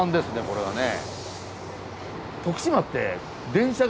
これはね。